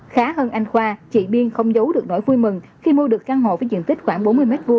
khá hơn anh khoa chị biên không giấu được nỗi vui mừng khi mua được căn hộ với diện tích khoảng bốn mươi m hai